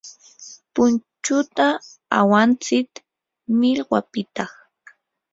punchuta awantsik millwapiqta.